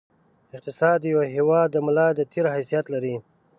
اقتصاد د یوه هېواد د ملا د تېر حیثیت لري.